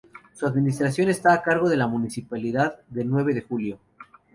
Su administración está a cargo de la Municipalidad de Nueve de Julio.